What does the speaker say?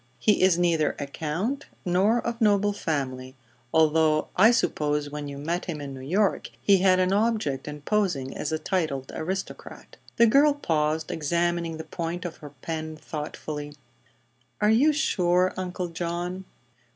He is neither a count nor of noble family, although I suppose when you met him in New York he had an object in posing as a titled aristocrat." The girl paused, examining the point of her pen thoughtfully. "Are you sure, Uncle John?"